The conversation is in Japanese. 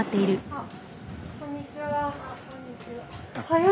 あっ！